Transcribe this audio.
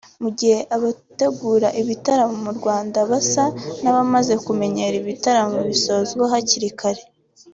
Mugihe abategura ibitaramo mu Rwanda basa n’abamaze kumenyera ibitaramo bisonzwa hakiri kare